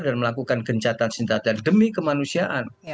dan melakukan gencatan gencatan demi kemanusiaan